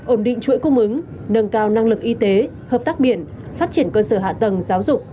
ổn định chuỗi cung ứng nâng cao năng lực y tế hợp tác biển phát triển cơ sở hạ tầng giáo dục